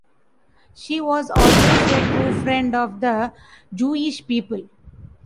She was always a true friend of the Jewish people.